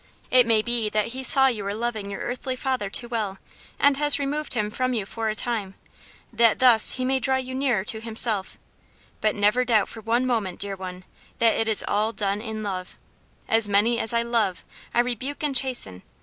It may be that he saw you were loving your earthly father too well, and has removed him from you for a time, that thus he may draw you nearer to himself; but never doubt for one moment, dear one, that it is all done in love. 'As many as I love, I rebuke and chasten.'